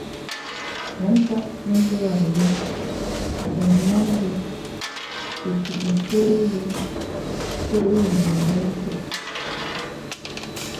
Me ntap njù a yùm, shi nuo yùm, shi pit nsé yùm fù’ yié me nkit fu ne.